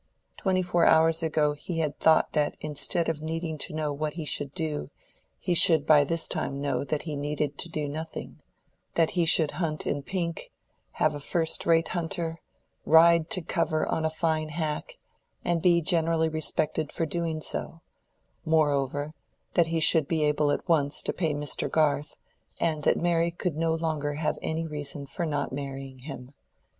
Twenty four hours ago he had thought that instead of needing to know what he should do, he should by this time know that he needed to do nothing: that he should hunt in pink, have a first rate hunter, ride to cover on a fine hack, and be generally respected for doing so; moreover, that he should be able at once to pay Mr. Garth, and that Mary could no longer have any reason for not marrying him.